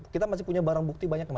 kita masih punya barang bukti banyak